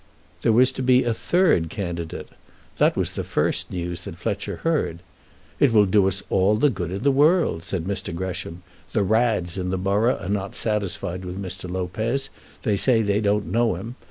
There was to be a third candidate. That was the first news that Fletcher heard. "It will do us all the good in the world," said Mr. Gresham. "The Rads in the borough are not satisfied with Mr. Lopez. They say they don't know him.